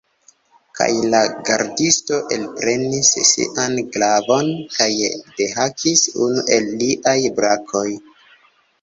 Kaj la gardisto elprenis sian glavon kaj dehakis unu el liaj brakoj.